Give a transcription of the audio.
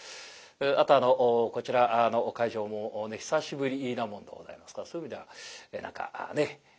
あとこちらのお会場も久しぶりなもんでございますからそういう意味では何かね